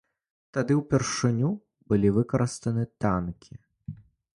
Тады ўпершыню былі выкарыстаны танкі.